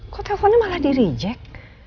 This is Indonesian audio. kok teleponnya malah direjek